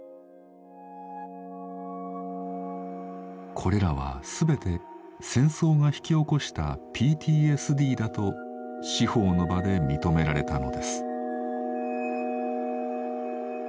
これらは全て戦争が引き起こしたＰＴＳＤだと司法の場で認められたのです。